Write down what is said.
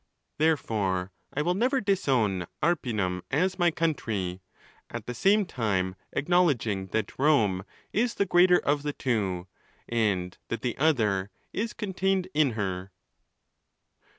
Therefore I will never disown Arpinum as my country, at the same time acknowledging that Rome is the greater of the two, and that the other is contained in her.